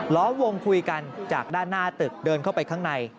ล้อวงคุยกันจากด้านหน้าตึกเดินเข้าไปข้างใน